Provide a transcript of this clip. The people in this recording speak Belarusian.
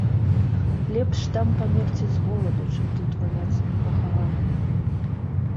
Лепш там памерці з голаду, чым тут валяцца непахаванаму.